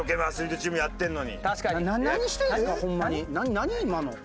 何してるの？